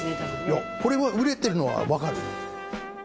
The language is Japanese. いやこれは売れてるのはわかるよ。